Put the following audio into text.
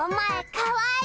かわいい！